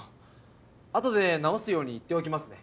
あとで直すように言っておきますね。